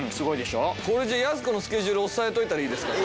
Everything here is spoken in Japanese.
これじゃやす子のスケジュール押さえといたらいいですか？